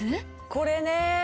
これね。